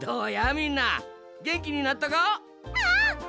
みんなげんきになったか？